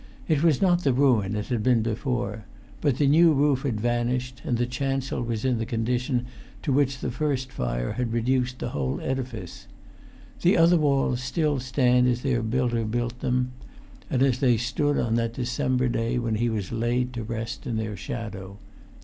It was not the ruin it had been before; but the new roof had vanished; and the chancel was in the condition to which the first fire had reduced the whole edifice. The other walls still stand as their builder built them, and as they stood on that December day when he was laid to rest in their shadow.